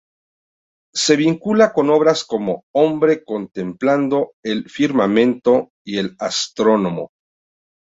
Se vincula con obras como "Hombre contemplando el firmamento" y "El astrónomo".